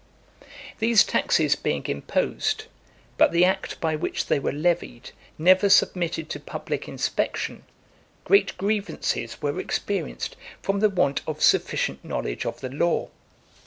XLI. These taxes being imposed, but the act by which they were levied never submitted to public inspection, great grievances were experienced from the want of sufficient knowledge of the law.